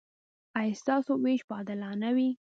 ایا ستاسو ویش به عادلانه وي؟